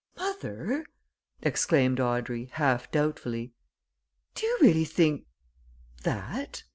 "Mother!" exclaimed Audrey, half doubtfully. "Do you really think that?"